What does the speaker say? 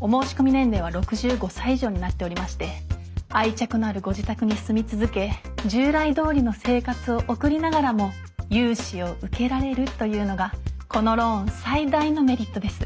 お申し込み年齢は６５歳以上になっておりまして愛着のあるご自宅に住み続け従来どおりの生活を送りながらも融資を受けられるというのがこのローン最大のメリットです。